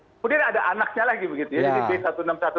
kemudian ada anaknya lagi begitu ya